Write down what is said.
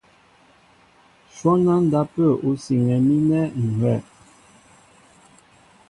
Shwɔ́n á ndápə̂ ú siŋɛ mi ánɛ̂ ŋ̀ hʉ́wɛ̂.